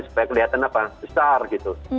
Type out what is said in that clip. supaya kelihatan apa besar gitu